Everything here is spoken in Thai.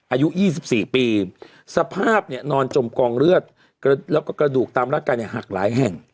อายุ๒๔ปีสภาพเนี่ยนอนจมกองเลือดแล้วก็กระดูกตามร่างกายเนี่ยหักหลายแห่ง